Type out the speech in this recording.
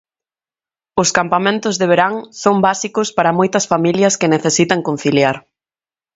Os campamentos de verán son básicos para moitas familias que necesitan conciliar.